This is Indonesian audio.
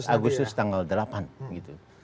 agustus tanggal delapan gitu